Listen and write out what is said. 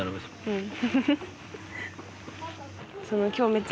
うん。